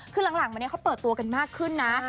คือหลังมาเนี่ยเขาเปิดตัวกันมากขึ้นนะ